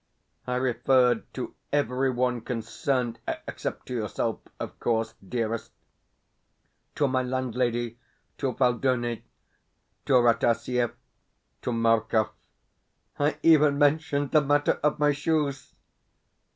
I referred to every one concerned (except to yourself, of course, dearest) to my landlady, to Phaldoni, to Rataziaev, to Markov. I even mentioned the matter of my shoes!